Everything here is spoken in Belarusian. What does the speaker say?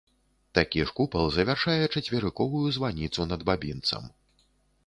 Такі ж купал завяршае чацверыковую званіцу над бабінцам.